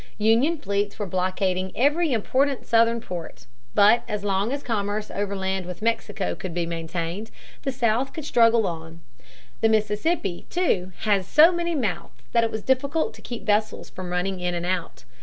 Union fleets were blockading every important Southern port. But as long as commerce overland with Mexico could be maintained, the South could struggle on. The Mississippi, too, has so many mouths that it was difficult to keep vessels from running in and out.